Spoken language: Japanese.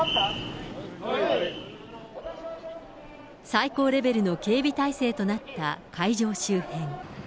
最高レベルの警備態勢となった会場周辺。